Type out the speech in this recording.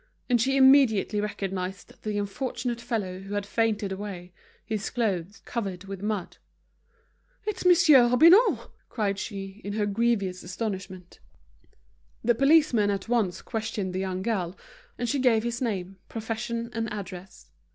And she immediately recognized the unfortunate fellow who had fainted away, his clothes covered with mud. "It's Monsieur Robineau," cried she, in her grievous astonishment. The policeman at once questioned the young girl, and she gave his name, profession, and address.